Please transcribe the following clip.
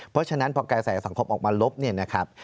เพราะฉะนั้นพอกระแสสังคมออกมาลบเนี่ยนะครับ